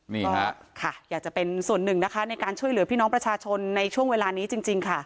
นี่ค่ะอยากจะเป็นส่วนหนึ่งนะคะในการช่วยเหลือพี่น้องประชาชนในช่วงเวลานี้จริงค่ะ